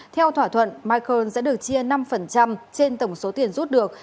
theo thỏa thuận michael sẽ được chia năm trên tổng số tiền rút được